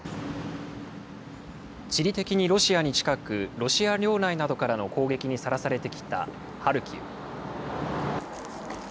地理的にロシアに近く、ロシア領内などからの攻撃にさらされてきたハルキウ。